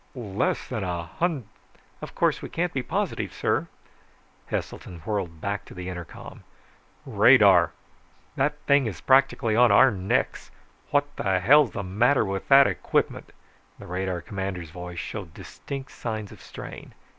"Less than a hundr ..." "Of course, we can't be positive, sir." Heselton whirled back to the intercom. "Radar! That thing is practically on our necks. What the hell's the matter with that equipment...?" The radar commander's voice showed distinct signs of strain.